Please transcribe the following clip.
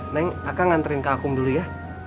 neng akang anterin kak akung dulu ya